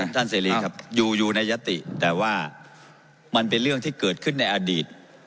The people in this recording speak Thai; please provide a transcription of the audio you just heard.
เสรีครับอยู่อยู่ในยติแต่ว่ามันเป็นเรื่องที่เกิดขึ้นในอดีต